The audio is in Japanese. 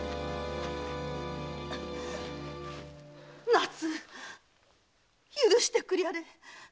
奈津許してくりゃれ！